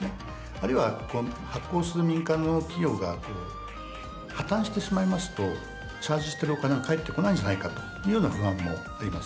あるいは発行する民間の企業が破綻してしまいますとチャージしているお金が返ってこないんじゃないかというような不安もあります。